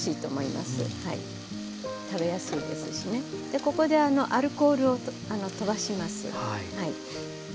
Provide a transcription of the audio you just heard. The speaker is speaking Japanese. でここでアルコールをとばします。